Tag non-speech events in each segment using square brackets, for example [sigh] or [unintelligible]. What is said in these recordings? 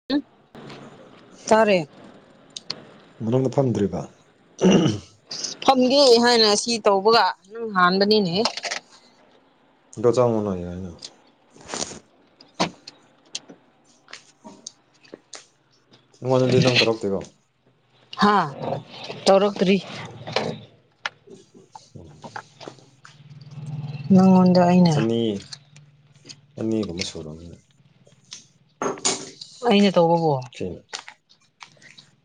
[unintelligible] ꯇꯥꯔꯦ ꯃꯅꯨꯡꯗ ꯐꯝꯗ꯭ꯔꯤꯕ ꯐꯝꯒꯦ ꯍꯥꯏꯅ ꯑꯁꯤ ꯇꯧꯕꯒ ꯅꯪ ꯍꯥꯟꯕꯅꯤꯅꯦꯍꯦ ꯑꯗꯣ ꯆꯪꯉꯣ ꯅꯣꯏ ꯌꯥꯏꯅ [unintelligible] ꯅꯉꯣꯟꯗꯗꯤ ꯅꯪ ꯇꯧꯔꯛꯇꯦꯀꯣ ꯍꯥꯥ ꯇꯧꯔꯛꯇ꯭ꯔꯤ [unintelligible] ꯅꯪꯉꯣꯟꯗ ꯑꯩꯅ ꯑꯅꯤ ꯑꯅꯤꯒꯨꯝꯕ ꯁꯨꯔꯝꯅꯤ ꯑꯩꯅ ꯇꯧꯕꯕꯨ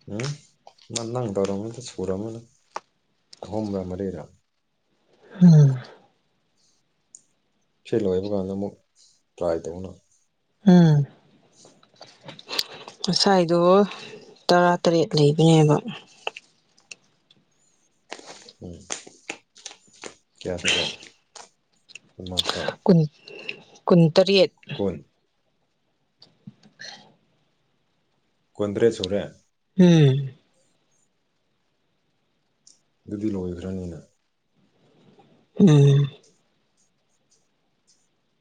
ꯃꯤ ꯅꯪ ꯇꯧꯔꯝꯃꯗꯤ ꯁꯨꯔꯝꯃꯅꯤ ꯑꯍꯨꯝꯔ ꯃꯔꯤꯔꯥ [unintelligible] ꯁꯤ ꯂꯣꯏꯕ ꯀꯥꯟꯗꯃꯨꯛ ꯇ꯭ꯔꯥꯏ ꯇꯧꯅ꯫ ꯎꯝ ꯉꯁꯥꯏꯗꯣ ꯇꯔꯥꯇꯔꯦꯠ ꯂꯩꯕꯅꯦꯕ ꯎꯝ ꯀꯌꯥ ꯁꯨꯔꯦ ꯀꯨꯟꯃꯥ ꯀꯨꯟ ꯀꯨꯟꯇꯔꯦꯠ [unintelligible] ꯀꯨꯟꯇ꯭ꯔꯦꯠ ꯁꯨꯔꯦ ꯎꯝ ꯑꯗꯨꯗꯤ ꯂꯣꯏꯈ꯭ꯔꯅꯤꯅ ꯎꯝ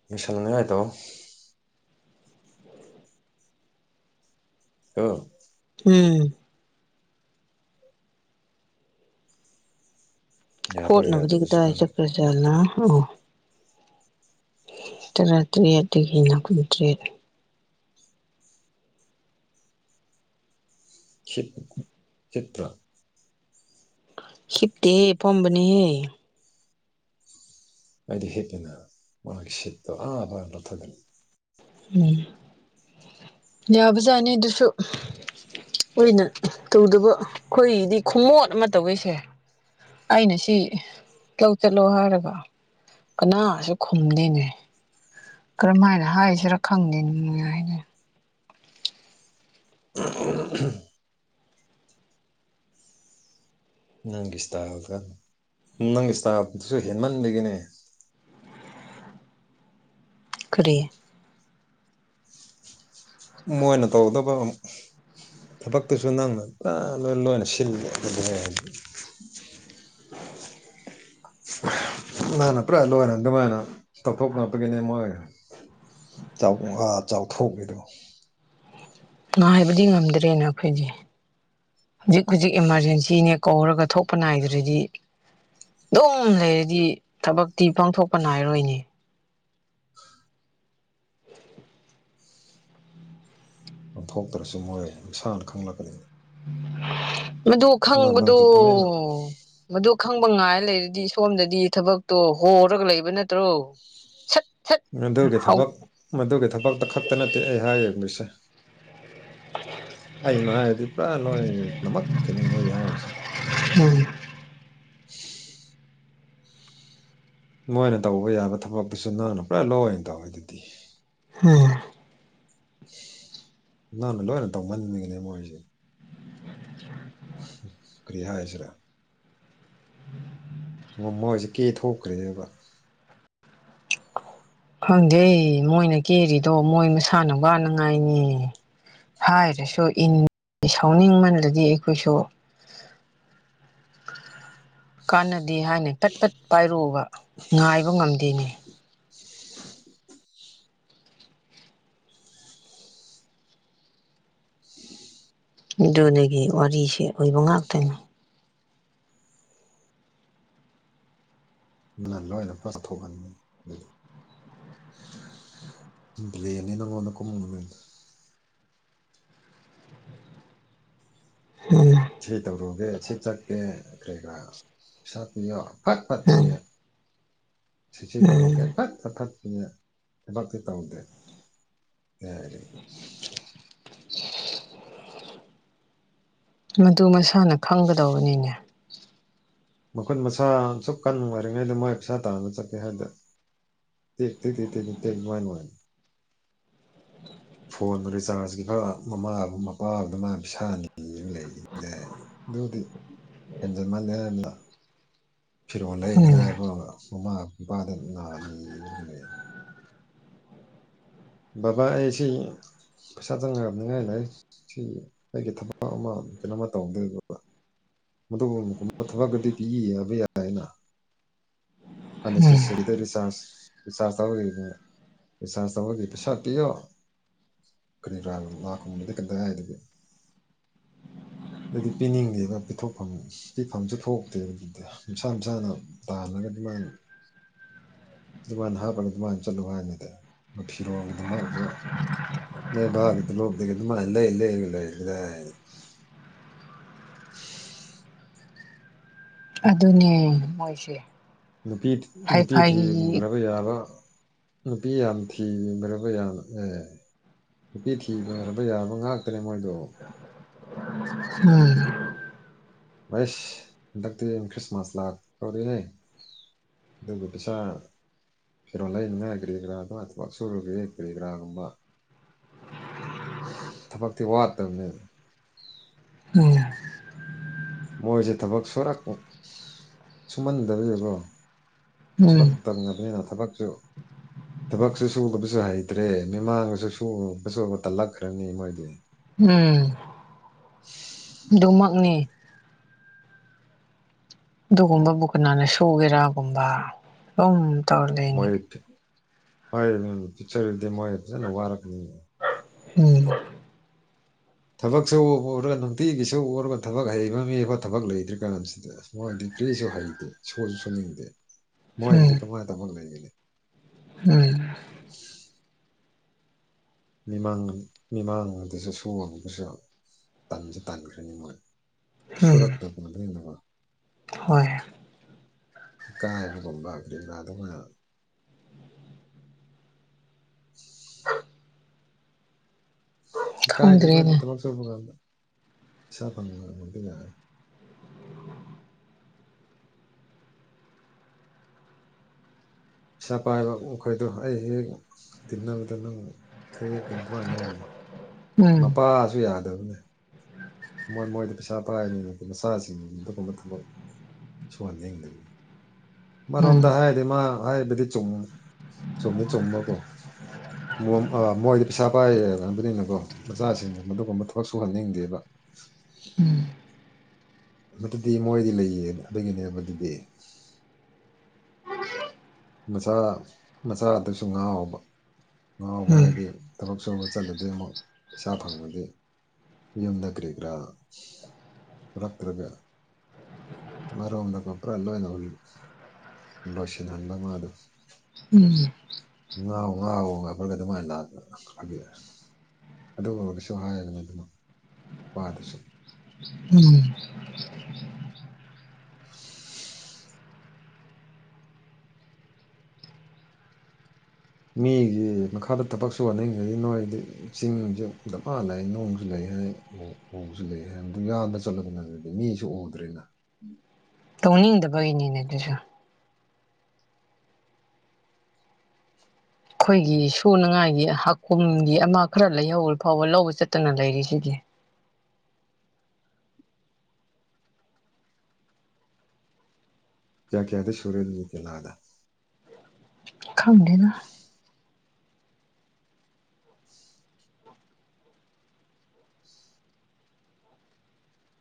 ꯌꯦꯡꯁꯟꯅꯤꯉꯥꯢ ꯇꯧꯋꯣ [unintelligible] ꯎꯝ ꯌꯥꯕ꯭ꯔꯥ ꯍꯣꯠꯅꯕꯗꯤ ꯌꯥꯗꯕꯁꯨ ꯀꯗꯥꯢ ꯈꯪꯗꯦ ꯆꯠꯀ꯭ꯔꯖꯥꯠꯂ ꯑꯣ ꯇꯔꯥꯇꯔꯦꯠꯇꯒꯤꯅ ꯀꯨꯟꯇ꯭ꯔꯦꯠ [unintelligible] ꯆꯤꯠꯄ꯭ꯔꯥ ꯍꯤꯞꯇꯦꯍꯦ ꯐꯝꯕꯅꯤꯍꯦ ꯑꯩꯗꯤ ꯍꯤꯞꯄꯤꯅ ꯃꯥꯒꯤ ꯁꯤꯠꯇꯣ ꯑꯥ [unintelligible] ꯎꯝ ꯌꯥꯕꯖꯥꯠꯅꯦ ꯗꯨꯁꯨ ꯑꯣꯏꯅ ꯇꯧꯗꯕ ꯈꯣꯏꯒꯤꯗꯤ ꯈꯨꯃꯣꯠ ꯑꯃ ꯇꯧꯋꯦꯁꯦ ꯑꯩꯅ ꯁꯤ ꯂꯧ ꯆꯠꯂꯣ ꯍꯥꯏꯔꯒ ꯀꯅꯥꯁꯨ ꯈꯨꯝꯗꯦꯅꯦ ꯀꯔꯝ ꯃꯥꯏꯅ ꯍꯥꯏꯁꯤꯔꯥ ꯈꯪꯗꯦ ꯅꯨꯡꯉꯥꯏꯅꯦ [unintelligible] ꯅꯪꯒꯤ ꯁ꯭ꯇꯥꯏꯜꯒꯟ ꯅꯪꯒꯤ ꯁ꯭ꯇꯥꯏꯜꯗꯨꯁꯨ ꯍꯦꯟꯃꯟꯕꯒꯤꯅꯦ ꯀꯔꯤ? ꯃꯣꯏꯅ ꯇꯧꯗꯕ ꯑꯃꯨꯛ ꯎꯝ ꯊꯕꯛꯇꯨꯁꯨ ꯅꯪꯅ ꯄꯨꯔꯥ ꯂꯣꯏ ꯂꯣꯏꯅ ꯁꯤꯜꯂꯦ ꯑꯗꯨ [unintelligible] ꯍꯥꯏꯁꯦ ꯅꯪꯅ ꯄꯨꯔꯥ ꯂꯣꯏꯅ ꯑꯗꯨꯃꯥꯏꯅ ꯇꯧꯊꯣꯛꯄ ꯉꯛꯇꯒꯤꯅꯦ ꯃꯣꯏ ꯆꯥꯎ [unintelligible] ꯑꯥ ꯆꯥꯎꯊꯣꯛꯔꯤꯗꯣ ꯉꯥꯏꯕꯗꯤ ꯉꯝꯗ꯭ꯔꯦꯅ ꯑꯩꯈꯣꯏꯗꯤ ꯍꯧꯖꯤꯛ ꯍꯧꯖꯤꯛ ꯏꯃꯥꯔꯖꯦꯟꯁꯤꯅꯦ ꯀꯧꯔꯒ ꯊꯣꯛꯄ ꯅꯥꯏꯗ꯭ꯔꯗꯤ ꯑꯗꯨꯝ ꯂꯩꯔꯗꯤ ꯊꯕꯛꯇꯤ ꯄꯥꯡꯊꯣꯛꯄ ꯅꯥꯏꯔꯣꯏꯅꯦ [inaudible] ꯄꯥꯡꯊꯣꯛꯇ꯭ꯔꯁꯨ ꯃꯣꯏ ꯃꯁꯥꯅ ꯈꯪꯂꯛꯀꯅꯤ ꯃꯗꯨ ꯅꯪ ꯈꯪꯕꯗꯣ ꯅꯪꯁꯨ ꯇꯨꯃꯤꯟꯅ ꯃꯗꯨ ꯈꯪꯕ ꯉꯥꯏ ꯂꯩꯔꯗꯤ ꯁꯣꯝꯗꯗꯤ ꯊꯕꯛꯇꯣ ꯍꯣꯔꯒ ꯂꯩꯕ ꯅꯠꯇ꯭ꯔꯣ? ꯁꯠ ꯁꯠ ꯃꯗꯨꯒꯤ ꯍꯧ ꯊꯕꯛ ꯃꯗꯨꯒꯤ ꯊꯕꯛꯇ ꯈꯛꯇ ꯅꯠꯇꯦ ꯑꯩ ꯍꯥꯏꯔꯤꯕꯁꯦ ꯑꯩꯅ ꯍꯥꯏꯔꯗꯤ ꯄꯨꯔꯥ ꯂꯣꯏ ꯅꯃꯛꯀꯤꯅꯦ ꯑꯩ ꯍꯥꯏꯔꯤꯁꯦ ꯎꯝ [unintelligible] ꯃꯣꯏꯅ ꯇꯧꯕ ꯌꯥꯕ ꯊꯕꯛꯇꯨꯁꯨ ꯅꯪꯅ ꯄꯨꯔꯥ ꯂꯣꯏꯅ ꯇꯧꯋꯦꯗꯨꯗꯤ [unintelligible] [unintelligible] ꯅꯪꯅ ꯂꯣꯏꯅ ꯇꯧꯃꯟꯕꯒꯤꯅꯦ ꯃꯣꯏꯖꯦ [inaudible] [unintelligible] ꯀꯔꯤ ꯍꯥꯏꯁꯤꯔꯥ? ꯃꯣꯃꯣꯏꯖꯦ ꯀꯦ ꯊꯣꯛꯈ꯭ꯔꯦꯕ ꯈꯪꯗꯦ ꯃꯣꯏꯅ ꯀꯦꯔꯤꯗꯣ ꯃꯣꯏ ꯃꯁꯥꯅ ꯋꯥꯅꯉꯥꯏꯅꯦ ꯍꯥꯏꯔꯁꯨ ꯏꯟ ꯑꯦ ꯁꯥꯎꯅꯤꯡ ꯃꯜꯂꯗꯤ ꯑꯩꯈꯣꯏꯁꯨ ꯀꯥꯟꯅꯗꯦ ꯍꯥꯏꯅ ꯐꯠ ꯐꯠ ꯄꯥꯏꯔꯨꯕ ꯉꯥꯏꯕ ꯉꯝꯗꯦꯅꯦ [inaudible] [inaudible] ꯑꯗꯨꯗꯒꯤ ꯋꯥꯔꯤꯁꯦ ꯑꯣꯏꯕ ꯉꯥꯛꯇꯅꯤ ꯑꯗꯨꯅ ꯅꯣꯏꯅ ꯐ꯭ꯔꯥꯖ ꯊꯣꯛꯍꯟꯕ ꯑꯗꯨꯗꯤ ꯕ꯭ꯂꯦꯝꯅꯦ ꯅꯪꯉꯣꯟꯗ ꯀꯨꯝ [unintelligible] [unintelligible] ꯁꯤ ꯇꯧꯔꯨꯒꯦ ꯁꯤ ꯆꯠꯀꯦ ꯀ꯭ꯔꯤ ꯀ꯭ꯔꯥ ꯄꯩꯁꯥ ꯄꯤꯌꯣ ꯐꯠ ꯐꯠ ꯄꯤꯌꯦ ꯁꯤꯁꯤ ꯇꯧꯔꯨꯒꯦ ꯎꯝ ꯐꯠ ꯐꯥꯐꯠ ꯄꯤꯌꯦ ꯊꯕꯛꯇꯤ ꯇꯧꯗꯦ ꯀꯥꯏꯗꯒꯤ ꯃꯗꯨ ꯃꯁꯥꯅ ꯈꯪꯒꯗꯧꯕꯅꯤꯅꯦ ꯃꯈꯨꯠ ꯃꯁꯥ ꯑꯁꯨꯛ ꯀꯟ ꯑꯣꯏꯔꯤꯉꯩꯗ ꯃꯣꯏ ꯄꯩꯁꯥ ꯇꯥꯟꯕ ꯆꯠꯀꯦ ꯍꯥꯏꯗꯦ [unintelligible] ꯐꯣꯟ ꯔꯤꯆꯥꯔꯖꯀꯤ ꯈꯔ ꯃꯃꯥ ꯃꯄꯥꯒꯗ ꯃꯥꯅ ꯄꯩꯁꯥ ꯅꯤꯔꯒ [unintelligible] ꯗꯨꯗꯤ ꯍꯦꯟꯖꯜ ꯃꯜꯂꯦ ꯍꯥꯏꯕꯅꯤꯗ ꯐꯤꯔꯣꯜ ꯎꯝ ꯂꯩꯅꯤꯉꯥꯏ [unintelligible] ꯃꯃꯥ ꯄꯥꯗ ꯉꯥꯡꯉꯤ ꯕꯥꯕꯥ ꯑꯩꯁꯤ ꯄꯩꯁꯥ ꯆꯪꯉꯔꯅꯤꯡꯉꯥꯏ ꯂꯩ ꯁꯤ ꯑꯩꯒꯤ ꯊꯕꯛ ꯑꯃ ꯀꯩꯅꯣꯃ ꯇꯧꯔꯝꯗꯣꯏꯕ ꯃꯗꯨꯕꯨꯨ ꯀꯨꯝꯕ ꯊꯕꯛꯀꯗꯤ ꯄꯤꯕ ꯌꯥꯕ ꯌꯥꯏꯅ ꯎꯝ ꯑꯟꯅꯦꯁꯦꯁꯦꯔꯤ ꯔꯤꯆꯁ ꯔꯤꯆꯁ [unintelligible] ꯔꯤꯆꯥꯥ꯭ꯔꯁ ꯇꯧꯋꯥꯂꯤ ꯄꯩꯁꯥ ꯄꯤꯌꯣ ꯀꯔꯤ [unintelligible] ꯀꯗꯥꯏꯗꯒꯤ ꯑꯗꯨꯗꯤ ꯄꯤꯅꯤꯡꯗꯦꯕ ꯄꯤꯊꯣꯛꯐꯝ ꯄꯤꯐꯝꯁꯨ ꯊꯣꯛꯇꯦꯕ ꯑꯗꯨꯗꯤ ꯅꯨꯡꯁꯥ ꯅꯨꯡꯁꯥꯅ ꯇꯥꯜꯂꯒ ꯑꯗꯨꯃꯥꯏꯅ ꯑꯗꯨꯃꯥꯏꯅ ꯍꯥꯞꯄꯒ ꯑꯗꯨꯃꯥꯏꯅ ꯆꯠꯂꯣ ꯍꯥꯏꯕꯗ [unintelligible] ꯅꯣꯏ ꯕꯥ [unintelligible] ꯂꯩꯂꯩ ꯂꯩꯈꯗꯥꯏ [inaudible] ꯑꯗꯨꯅꯦ ꯃꯣꯏꯁꯦ ꯅꯨꯄꯤ ꯍꯥꯏ ꯅꯨꯄꯤ ꯐꯥꯏꯒꯤ ꯊꯤꯍꯟꯒ꯭ꯔꯥꯒ ꯌꯥꯕ ꯅꯨꯄꯤ ꯌꯥꯝ ꯊꯤꯕ꯭ꯔꯥꯕ ꯌꯥꯝꯅ ꯑꯦ ꯅꯨꯄꯤ ꯊꯤꯕ ꯑꯣꯏꯔꯕ ꯌꯥꯕ ꯉꯥꯛꯇꯅꯦ ꯃꯣꯏꯗꯣ ꯎꯝ ꯑꯩꯁ ꯍꯟꯗꯛꯇꯤ ꯈ꯭ꯔꯤꯁꯃꯥꯁ ꯂꯥꯛ ꯇꯧꯔꯦꯍꯦ ꯑꯗꯨꯕꯨ ꯄꯩꯁꯥ ꯐꯤꯔꯣꯜ ꯂꯩꯅꯤꯡꯉꯥꯏ ꯀꯔꯤ ꯀꯔꯥ ꯊꯕꯛ ꯁꯨꯔꯨꯒꯦ ꯀꯔꯤ ꯀꯔꯥ ꯀꯨꯝꯕ ꯊꯕꯛ ꯊꯤ ꯋꯥꯠꯇꯝꯅꯦ ꯎꯝ ꯃꯣꯏꯁꯦ ꯊꯕꯛ ꯁꯨꯔꯛꯑꯣꯏ ꯁꯨꯝꯃꯟꯗꯕꯒꯤꯀꯣ ꯁꯨꯔꯛ ꯎꯝ ꯇꯝꯅꯦꯅꯤꯅ ꯊꯕꯛꯁꯨ ꯊꯕꯛꯁꯨ ꯁꯨꯗꯕꯁꯨ ꯍꯩꯇ꯭ꯔꯦ ꯃꯤꯃꯥꯡꯗ ꯁꯨꯔꯨꯕꯁꯨ ꯇꯜꯂꯛꯈ꯭ꯔꯅꯤ ꯃꯣꯏꯗꯤ ꯎꯝ ꯑꯗꯨꯃꯛꯅꯦ ꯑꯗꯨꯒꯨꯝꯕꯕꯨ ꯀꯅꯥꯅ ꯁꯨꯒꯦꯔꯥꯒꯨꯝꯕ ꯎꯝ ꯇꯜꯂꯦ ꯃꯣꯏꯠ ꯃꯣꯏ ꯑꯅꯤ ꯍꯨꯖꯤꯛ ꯆꯠꯂꯗꯤ ꯃꯣꯏ ꯐꯖꯅ ꯋꯥꯔꯒꯅꯤ ꯎꯝ ꯊꯕꯛ ꯁꯨꯕ ꯐꯥꯎꯗ ꯅꯨꯡꯇꯤꯒꯤꯁꯨꯔꯒ ꯊꯕꯛ ꯍꯩꯕ ꯃꯤ ꯐꯥꯎ ꯊꯕꯛ ꯂꯩꯇ꯭ꯔꯥ ꯀꯥꯟꯁꯤꯗ ꯑꯁ ꯃꯣꯏꯗꯤ ꯀ꯭ꯔꯤꯁꯨ ꯍꯩꯇꯦ ꯁꯨꯁꯨ ꯁꯨꯅꯤꯡꯗꯦ ꯃꯣꯏꯒꯤꯗꯤ ꯎꯝ ꯀꯃꯥꯏꯅ ꯊꯕꯛ ꯂꯩꯒꯅꯤ ꯎꯝ ꯃꯤꯃꯥꯡ ꯃꯤꯃꯥꯡ ꯗꯁꯨ ꯁꯨꯕꯒꯨꯝꯕꯁꯨ ꯇꯟꯁꯨ ꯇꯟꯈ꯭ꯔꯅꯤ ꯃꯣꯏ ꯎꯝ ꯁꯨꯔꯛꯇꯕꯅꯤꯅ ꯀꯣ ꯍꯣꯏ ꯏꯀꯥꯏꯕ ꯒꯨꯝꯕ ꯀꯔꯤ ꯀꯔꯥ ꯑꯗꯨꯃꯛ ꯏꯀꯥꯏꯗꯦ ꯑꯈꯣꯏꯗꯤ ꯈꯪꯗ꯭ꯔꯦꯅꯦ ꯊꯕꯛ ꯁꯨꯕ ꯀꯥꯟꯗ ꯄꯩꯁꯥ ꯐꯪꯕ ꯑꯣꯏꯕꯅꯤꯅ ꯄꯩꯁꯥ ꯄꯥꯏꯕ ꯃꯈꯣꯏꯗꯣ ꯑꯩ ꯍꯦꯛ ꯇꯤꯟꯅꯕꯗ ꯅꯪ ꯍꯦꯛ [unintelligible] ꯍꯥꯏꯕ ꯎꯝ ꯃꯄꯥꯁꯨ ꯌꯥꯗꯕꯅꯦ ꯃꯣꯏ ꯃꯣꯏꯗꯤ ꯄꯩꯁꯥ ꯄꯥꯏꯕꯅꯤꯅ ꯀꯣ ꯃꯆꯥꯁꯤꯡꯗꯨ ꯑꯗꯨꯒꯨꯝꯕ ꯊꯕꯛ ꯁꯨꯍꯟꯅꯤꯡꯗꯕꯅꯤ ꯎꯝ ꯑꯃꯔꯣꯝꯗ ꯍꯥꯏꯔꯗꯤ ꯃꯥ ꯍꯥꯏꯔꯤꯕꯗꯤ ꯆꯨꯝ ꯆꯨꯝꯗꯤ ꯆꯨꯝꯕꯀꯣ ꯃꯣꯝ ꯑꯥ ꯃꯣꯏꯗꯤ ꯄꯩꯁꯥ ꯄꯥꯏꯌꯦ ꯈꯟꯕꯅꯤꯅꯀꯣ ꯃꯆꯥꯁꯤꯡꯗꯨ ꯑꯗꯨꯒꯨꯝꯕ ꯊꯕꯛ ꯁꯨꯍꯟꯅꯤꯡꯗꯦꯕ ꯎꯝ ꯍꯧꯖꯤꯛꯀꯤꯗꯤ ꯃꯣꯏꯗꯤ ꯂꯩꯌꯦ ꯑꯗꯨꯒꯤꯅꯦ ꯑꯗꯨꯗꯤ ꯃꯆꯥ ꯃꯆꯥꯗꯨꯁꯨ ꯉꯥꯎꯕ ꯉꯥꯎꯕ ꯎꯝ ꯍꯥꯏꯗꯤ ꯊꯕꯛ ꯁꯨꯕ ꯆꯠꯂꯗꯤ ꯑꯃꯨꯛ ꯄꯩꯁꯥ ꯐꯪꯉꯗꯤ ꯌꯨꯝꯗ ꯀ꯭ꯔꯤ ꯀ꯭ꯔꯥ ꯄꯨꯔꯛꯇ꯭ꯔꯒ ꯑꯃꯔꯣꯝꯗ ꯀꯣ ꯄꯨꯔꯥ ꯂꯣꯏꯅ ꯂꯣꯏꯁꯤꯟꯍꯟ [unintelligible] ꯎꯝ ꯉꯥꯎ ꯉꯥꯎ ꯉꯥꯈꯠꯂ ꯑꯗꯨꯃꯥꯏꯅ ꯂꯥꯛꯄꯒꯤ ꯑꯗꯨꯒꯨꯡꯕ ꯗꯨꯁꯨ ꯍꯥꯏꯒꯅꯨꯗꯅ ꯅꯨꯄꯥꯗꯁꯨ ꯎꯝ [inaudible] ꯃꯤꯒꯤ ꯃꯈꯥꯗ ꯊꯕꯛ ꯁꯨꯍꯟꯅꯤꯡꯗ꯭ꯔꯗꯤ ꯅꯣꯏꯗꯤ ꯆꯤꯡꯖꯦ ꯗꯃꯥ ꯂꯩ ꯅꯨꯡ ꯁꯨ ꯂꯩ ꯍꯥꯏ ꯎꯁꯨ ꯂꯩ ꯍꯥꯏ ꯑꯥꯗ ꯆꯠꯂꯒ ꯂꯩꯔꯗꯤ ꯃꯤꯁꯨ ꯎꯗ꯭ꯔꯦꯅ ꯇꯧꯅꯤꯡꯗꯕꯒꯤꯅꯤꯅꯦ ꯑꯗꯨꯁꯨ ꯑꯩꯈꯣꯏꯒꯤ ꯁꯨꯅꯉꯥꯏꯒꯤ ꯍꯥꯀꯨꯝꯒꯤ ꯑꯃ ꯈꯔ ꯂꯩꯍꯧꯔ ꯐꯧꯕ ꯂꯧꯕ ꯆꯠꯇꯅ ꯂꯩꯔꯤꯁꯤꯗꯤ ꯀꯌꯥ ꯀꯌꯥꯗ ꯁꯨꯔꯦ ꯑꯗꯨꯗꯤ ꯄꯦꯂꯥꯗ ꯈꯪꯗꯦꯗ [inaudible]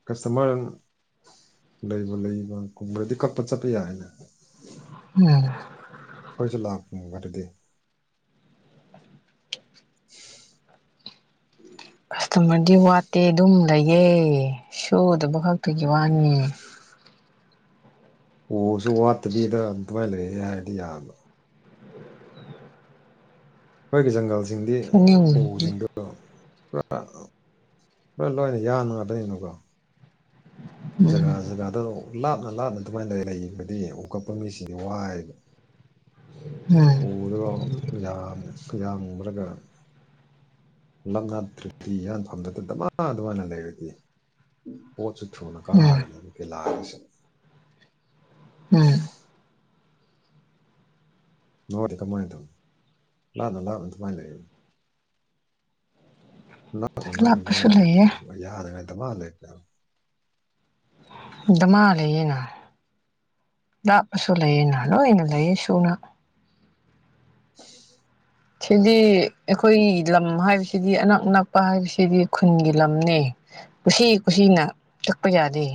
ꯀꯁꯇꯃ꯭ꯔ ꯂꯩꯕꯨ ꯂꯩꯕ ꯀꯨꯝꯔꯗꯤ ꯀꯛꯄ ꯆꯠꯄ ꯌꯥꯏꯅ ꯍꯨꯝ ꯑꯩꯈꯣꯏꯁꯨ ꯂꯥꯛ [unintelligible] ꯑꯗꯨꯗꯤ [inaudible] ꯑꯗꯨꯒꯨꯝꯕꯗꯤ ꯋꯥꯠꯇꯦ ꯑꯗꯨꯝ ꯂꯩꯌꯦ ꯁꯨꯗꯕ ꯈꯛꯇꯒꯤ ꯋꯥꯅꯤ ꯑꯣꯁꯨ ꯋꯥꯠꯇꯕꯤꯗ ꯑꯗꯨꯃꯥꯏ ꯂꯩꯌꯦ ꯍꯥꯏꯕꯗꯤ ꯌꯥꯕ ꯑꯩꯈꯣꯏꯒꯤ ꯖꯪꯒꯜꯁꯤꯡꯗꯤ ꯁꯨꯅꯤꯡꯉꯤꯗꯤ ꯎꯁꯤꯡꯗꯨ ꯑꯣ ꯄꯨꯔꯥ ꯄꯨꯔꯥ ꯂꯣꯏꯅ ꯌꯥꯟꯕ ꯉꯥꯛꯇꯅꯤꯅꯀꯣ ꯖꯒꯥ ꯎꯝ ꯖꯒꯥꯗꯣ ꯂꯥꯞꯅ ꯂꯥꯞꯅ ꯑꯗꯨꯃꯥꯏꯅ ꯂꯩꯕꯗꯤ ꯎꯀꯛꯄ ꯃꯤꯁꯤꯡꯗꯤ ꯋꯥꯏꯌꯦꯕ [inaudible] ꯎꯝ ꯎꯗꯣ ꯌꯥꯝ ꯌꯥꯝꯔꯒ ꯅꯪꯒ ꯐꯤ ꯥꯟꯐꯝꯗꯨꯇ ꯗꯃꯥ ꯗꯃꯥ ꯂꯩꯔꯗꯤ ꯄꯣꯠꯁꯨ ꯊꯨꯅ ꯎꯝ ꯀꯥꯒꯅꯦ ꯄꯦꯂꯥꯗꯨꯁꯨ ꯎꯝ ꯅꯣꯗꯤ ꯀꯃꯥꯏꯅ ꯇꯧꯅꯤ ꯂꯥꯞꯅ ꯂꯥꯞꯅ ꯑꯗꯨꯃꯥꯏꯅ ꯂꯩ ꯅꯛꯅ ꯅꯛꯅ ꯂꯥꯞꯄꯁꯨ ꯑꯗꯨꯨꯃꯥꯏꯅ ꯂꯩꯌꯦ ꯂꯩꯔꯦꯗꯤ ꯌꯥꯟꯅꯉꯥꯏ ꯗꯃꯥ ꯂꯩꯒꯅꯤ ꯗꯃꯥ ꯂꯩꯌꯦꯅ ꯂꯥꯞꯄꯁꯨ ꯂꯩꯌꯦꯅ ꯂꯣꯏꯅ ꯂꯩꯌꯦ ꯁꯨꯅ [unintelligible] ꯁꯤꯗꯤ ꯑꯩꯈꯣꯏꯒꯤ ꯂꯝ ꯍꯥꯏꯕꯁꯤꯗꯤ ꯑꯅꯛ ꯑꯅꯛ ꯀꯛꯄ ꯍꯥꯏꯕꯁꯤꯗꯤ ꯈꯨꯟꯒꯤ ꯂꯝꯅꯦ ꯀꯨꯁꯤ ꯀꯨꯁꯤꯅ ꯀꯛꯄ ꯌꯥꯗꯦ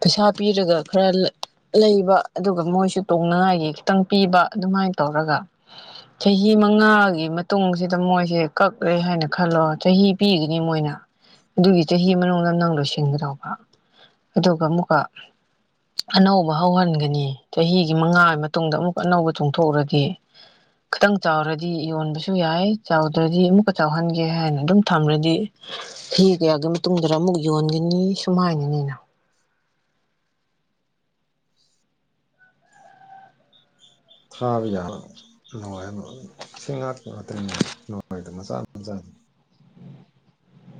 ꯄꯩꯁꯥ ꯄꯤꯔꯒ ꯈꯔ ꯂꯩ ꯂꯩꯕ ꯑꯗꯨꯒ ꯃꯣꯏꯁꯨ ꯇꯣꯡꯅꯉꯥꯏꯒꯤ ꯈꯤꯇꯪ ꯄꯤꯕ ꯑꯗꯨꯃꯥꯏꯅ ꯇꯧꯔꯒ ꯆꯍꯤ ꯃꯉꯥ ꯑꯗꯨꯒꯤ ꯃꯇꯨꯡꯁꯤꯗ ꯃꯣꯏꯁꯦ ꯀꯛꯂꯦ ꯍꯥꯏꯅ ꯈꯜꯂꯣ ꯆꯍꯤ ꯄꯤꯒꯅꯤ ꯃꯣꯏꯅ ꯑꯗꯨꯒꯤ ꯆꯍꯤ ꯃꯅꯨꯡꯗ ꯅꯪ ꯂꯣꯏꯁꯤꯡꯒꯗꯧꯕ ꯑꯗꯨꯒ ꯑꯃꯨꯛꯀ ꯑꯅꯧꯕ ꯍꯧꯍꯟꯒꯅꯤ ꯆꯍꯤꯒꯤ ꯃꯉꯥꯒꯤ ꯃꯇꯨꯡꯗ ꯑꯃꯨꯛ ꯑꯅꯧꯕ ꯆꯣꯡꯊꯣꯛꯔꯛꯑꯗꯤ ꯈꯥꯇꯪ ꯆꯥꯎꯔꯗꯤ ꯌꯣꯟꯕꯁꯨ ꯌꯥꯏ ꯆꯥꯎꯗ꯭ꯔꯗꯤ ꯑꯃꯨꯛꯀ ꯆꯥꯎꯍꯟꯒꯦ ꯍꯥꯏꯅ ꯑꯗꯨꯝ ꯊꯝꯔꯗꯤ ꯐꯤ ꯀꯌꯥꯒꯤ ꯇꯨꯡꯗꯔꯥ ꯑꯃꯨꯛ ꯌꯣꯟꯒꯅꯤ ꯁꯨꯃꯥꯏꯅꯅꯤꯅ ꯊꯥꯕ ꯌꯥꯕ ꯅꯨꯡꯉꯥꯏꯕ ꯁꯤ ꯉꯥꯛꯇꯅꯦ ꯅꯨꯡꯉꯥꯏꯕ ꯃꯆꯥ ꯃꯆꯥꯥꯗ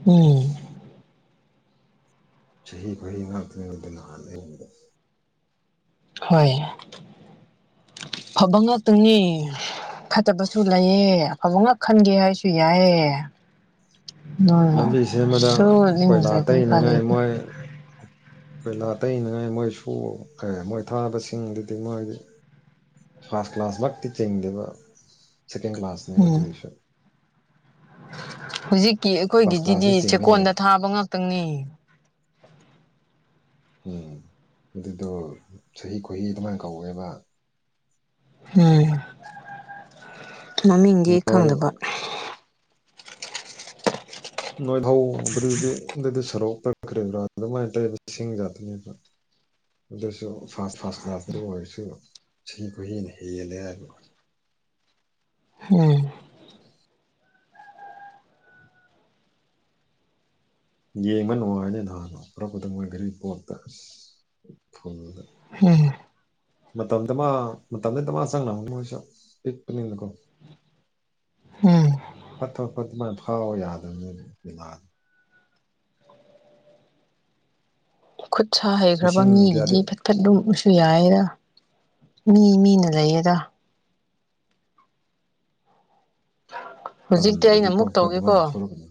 ꯎꯝ ꯆꯍꯤ ꯈꯨꯌꯤ ꯉꯥꯛꯇꯅꯤꯗꯅ ꯑꯥꯗ ꯂꯩꯍꯧꯕꯗꯣ ꯍꯣꯏ ꯐꯥꯕ ꯉꯥꯛꯇꯅꯤ ꯐꯠꯇꯕꯁꯨ ꯂꯩꯌꯦ ꯑꯐꯕ ꯉꯥꯛ ꯈꯟꯒꯦ ꯍꯥꯏꯁꯨ ꯌꯥꯏꯌꯦ ꯂꯝꯕꯤ ꯁꯦꯝꯕꯗ ꯁꯨ ꯀꯣꯏꯂꯥ ꯅꯤꯡꯗ꯭ꯔꯗꯤ ꯎꯄꯥꯏ ꯇꯩꯅꯉꯥꯏ ꯂꯩꯇꯦ ꯃꯣꯏ ꯀꯣꯏꯂꯥ ꯇꯩꯩꯅꯉꯥꯏ ꯃꯣꯏꯁꯨ ꯑꯦ ꯃꯣꯏ ꯊꯥꯕ ꯁꯤꯡꯗꯨꯗꯤ ꯃꯣꯏꯒꯤ ꯐꯥꯔꯁ ꯀ꯭ꯂꯥꯁ ꯃꯛꯇꯤ ꯆꯤꯡꯗꯦꯕ ꯁꯦꯀꯦꯟ ꯀ꯭ꯂꯥꯁꯅꯦꯕ ꯎꯝ ꯑꯗꯨꯑꯣꯏꯁꯨ ꯍꯧꯖꯤꯛꯀꯤ ꯐꯥꯔꯁ ꯑꯩꯈꯣꯏꯒꯤꯖꯤꯗꯤ ꯀ꯭ꯂꯥꯁꯇ ꯆꯤꯡꯉꯦ ꯆꯦꯛꯀꯣꯟꯗ ꯊꯥꯕ ꯉꯥꯛꯇꯅꯤ ꯎꯝ ꯑꯗꯨꯗꯣ ꯆꯍꯤ ꯈꯨꯍꯤ ꯑꯗꯨꯃꯥꯏ ꯀꯧꯋꯦꯕ ꯎꯝ ꯃꯃꯤꯡꯗꯤ ꯅꯣꯏ ꯈꯪꯗꯕ ꯅꯣꯏꯕꯧ ꯎꯗ꯭ꯔꯥꯗꯤ ꯑꯗꯨꯗꯤ ꯁꯔꯣꯛꯇ ꯇꯛꯈ꯭ꯔꯤꯕ꯭ꯔꯥ ꯑꯗꯨꯃꯥꯏꯅ ꯇꯧ ꯁꯤꯡꯒꯥꯇꯤ ꯑꯗꯨꯁꯨ ꯐꯥꯔꯁ ꯐꯥꯔꯁ ꯀ꯭ꯂꯥꯁꯇꯕꯨ ꯑꯣꯏꯔꯁꯨ ꯆꯍꯤ ꯀꯨꯏꯅ ꯍꯦꯜꯂꯦ ꯍꯥꯏꯕ ꯎꯝ ꯌꯦꯡꯕ ꯅꯨꯡꯉꯥꯏꯅꯦ ꯅꯍꯥꯟꯅ ꯄꯨꯔꯛꯄꯗ ꯃꯣꯏ ꯒꯥꯔꯤ ꯄꯣꯠꯇ ꯐꯨꯟꯗ ꯍꯨꯝ ꯃꯇꯝꯗꯃꯥ ꯃꯇꯝꯗꯤ ꯗꯃꯥ ꯆꯪꯉꯝꯅꯤ ꯃꯣꯏꯁꯨ ꯄꯤꯛꯄꯅꯤꯅꯀꯣ [inaudible] ꯎꯝ ꯐꯠꯇꯕ ꯐꯠꯇ ꯑꯗꯨꯃꯥꯏꯅ ꯐꯥꯎ ꯌꯥꯗꯕꯅꯤ ꯗꯤꯅꯥꯟ ꯈꯨꯠ ꯁꯥ ꯍꯩꯈ꯭ꯔꯕ ꯂꯤꯁꯤꯡ ꯃꯤꯒꯤꯗꯤ ꯀꯌꯥꯗꯤ ꯐꯠ ꯐꯠ ꯑꯗꯨꯝꯁꯨ ꯌꯥꯏꯌꯦꯗ ꯃꯤ ꯃꯤꯅ ꯂꯩꯌꯦꯗ ꯍꯧꯖꯤꯛꯇꯤ ꯑꯩꯅ ꯇꯝꯗ꯭ꯔꯗꯤ ꯑꯃꯨꯛ ꯐꯠ ꯐꯠ ꯇꯧꯒꯦꯀꯣ ꯑꯗꯨꯃꯥꯏꯅ ꯊꯣꯛꯂꯛꯀꯅꯤ